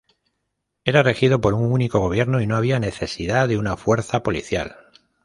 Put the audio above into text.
Era regido por un único gobierno y no había necesidad de una fuerza policial.